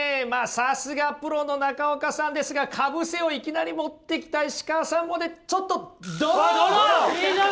まあさすがプロの中岡さんですがかぶせをいきなり持ってきた石川さんもねちょっとドロー！